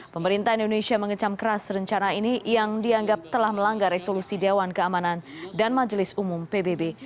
pemerintah indonesia mengecam keras rencana ini yang dianggap telah melanggar resolusi dewan keamanan dan majelis umum pbb